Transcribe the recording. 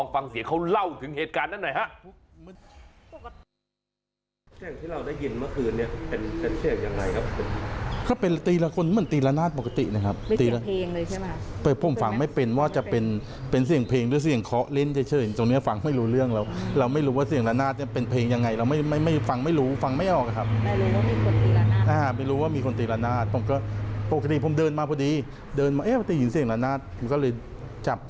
ฟังเสียงเขาเล่าถึงเหตุการณ์นั้นหน่อยฮะ